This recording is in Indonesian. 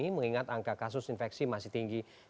mengingat angka kasus infeksi masih tinggi